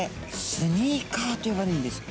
スニーカーと呼ばれるんです。